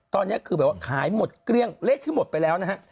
ตอนนี้คือแบบว่าขายหมดเกลี้ยงเลขที่หมดไปแล้วนะฮะ